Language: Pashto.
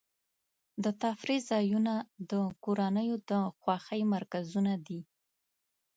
د تفریح ځایونه د کورنیو د خوښۍ مرکزونه دي.